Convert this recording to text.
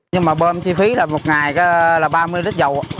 nhưng mà bên chi phí là một ngày là ba mươi lít dầu